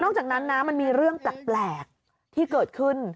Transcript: จากนั้นนะมันมีเรื่องแปลกที่เกิดขึ้น